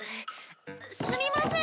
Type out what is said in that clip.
すみません！